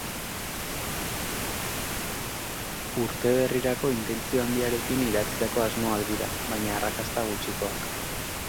Urte berrirako intentzio handiarekin idatzitako asmoak dira, baina arrakasta gutxikoak.